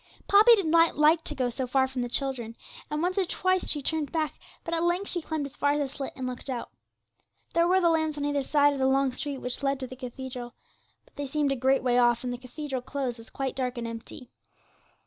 Poppy did not like to go so far from the other children, and once or twice she turned back, but at length she climbed as far as the slit, and looked out. There were the lamps on either side of the long street which led to the cathedral, but they seemed a great way off, and the cathedral close was quite dark and empty.